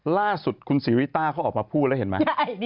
ล่าสุดคุณศรีริต้าเขาออกมาพูดแล้วเห็นไหม